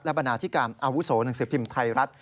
บรรณาธิการอาวุโสหนังสือพิมพ์ไทยรัฐ